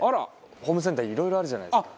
ホームセンターにいろいろあるじゃないですか。